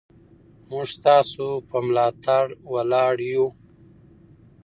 موږ ستاسو په ملاتړ ولاړ یو.